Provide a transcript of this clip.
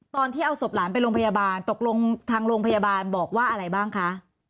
ตอนที่เอาศพหลานไปโรงพยาบาลตกลงทางโรงพยาบาลบอกว่าอะไรบ้างคะ